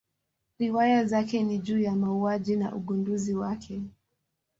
Riwaya zake ni juu ya mauaji na ugunduzi wake.